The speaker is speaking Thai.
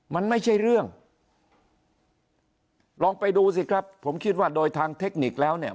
มันไม่ใช่เรื่องลองไปดูสิครับผมคิดว่าโดยทางเทคนิคแล้วเนี่ย